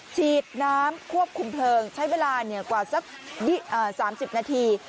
ฉีดน้ำควบคุมเพลิงใช้เวลากว่าสัก๓๐นาที